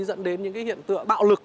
dẫn đến những hiện tượng bạo lực